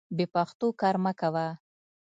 بې پښتو کار مه کوه.